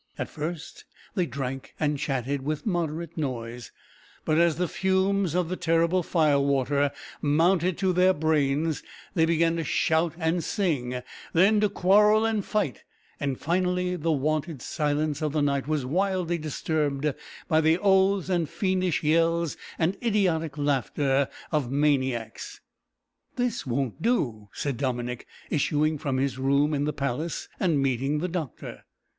At first they drank and chatted with moderate noise, but as the fumes of the terrible fire water mounted to their brains they began to shout and sing, then to quarrel and fight, and, finally, the wonted silence of the night was wildly disturbed by the oaths and fiendish yells and idiotic laughter of maniacs. "This won't do," said Dominick, issuing from his room in the palace, and meeting the doctor.